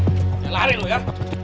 jangan lari lo ya